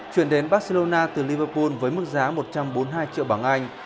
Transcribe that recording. chuyển đến barcelona từ liverpool với mức giá một trăm bốn mươi hai triệu bảng anh